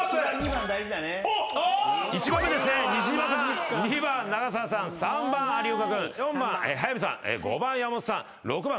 １番目ですね西島さん２番長澤さん３番有岡君４番早見さん５番山本さん６番斎藤さんです。